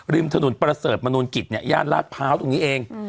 ริมถนนประเสริฐมนุนกิจย่านลาดพร้าวตรงนี้เอง